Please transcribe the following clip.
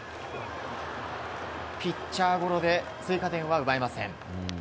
ピッチャーゴロで追加点は奪えません。